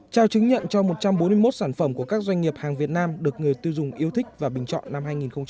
trao chứng nhận cho một trăm bốn mươi một sản phẩm của các doanh nghiệp hàng việt nam được người tiêu dùng yêu thích và bình chọn năm hai nghìn một mươi chín